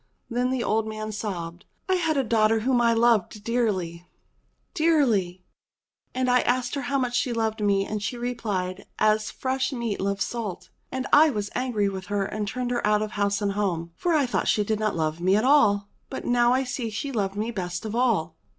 Then the old man sobbed, *'I had a daughter whom I loved dearly, dearly. And I asked her how much she loved me, and she replied, *As fresh meat loves salt.' And I was angry with her and turned her out of house and home, for I thought she didn't love me at all. But now I see she loved me best of all."